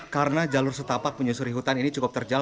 karena jalur setapak penyusuri hutan ini cukup terjal